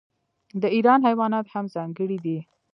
د ایران حیوانات هم ځانګړي دي.